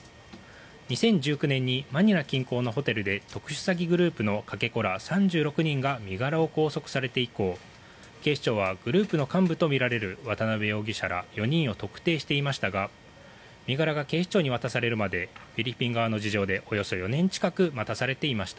２０１９年にマニラ近郊のホテルで特殊詐欺グループのかけ子ら３６人が身柄を拘束されて以降警視庁はグループの幹部とみられる渡邉容疑者ら４人を特定していましたが身柄が警視庁に渡されるまでフィリピン側の事情でおよそ４年近く待たされていました。